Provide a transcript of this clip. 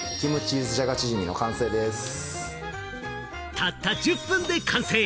たった１０分で完成！